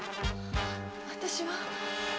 私は。